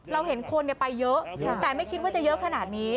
เราเห็นคนไปเยอะแต่ไม่คิดว่าจะเยอะขนาดนี้